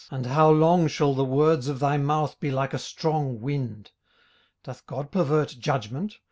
and how long shall the words of thy mouth be like a strong wind? 18:008:003 Doth God pervert judgment?